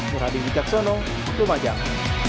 muradyn wijaksono untuk majang